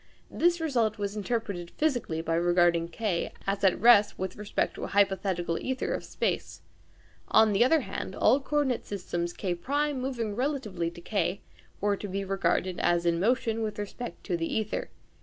This result was interpreted physically by regarding K as at rest with respect to a hypothetical ćther of space. On the other hand, all coordinate systems K1 moving relatively to K were to be regarded as in motion with respect to the ćther.